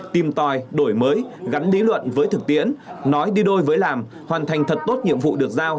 tìm tòi đổi mới gắn lý luận với thực tiễn nói đi đôi với làm hoàn thành thật tốt nhiệm vụ được giao